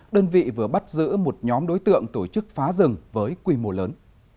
đơn vị vừa bắt giữ một nhóm đối tượng tổ chức phá rừng với quy mô lớn